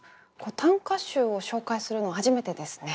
短歌集を紹介するの初めてですね。